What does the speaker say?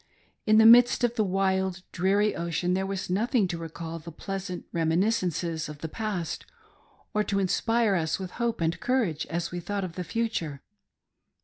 In the midst of the wild, dreary ocean there was nothing to recall the pleasant reminiscences of the past, or to inspire us with hope and courage as we thought of the future.